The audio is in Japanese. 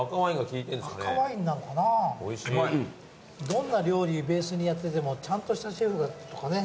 どんな料理ベースにやっててもちゃんとしたシェフだとかね